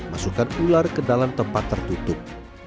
masukkan ular ke dalam tempat tertutup